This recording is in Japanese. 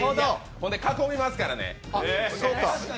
ほんで、囲みますからね。